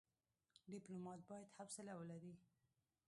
ډيپلومات بايد حوصله ولري.